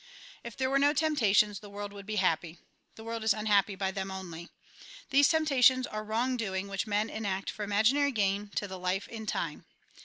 If there were no temptations, the world woiild be happy. The world is unhappy by them only. These temptations are wrong doing which men enact for imaginary gain to the life in time.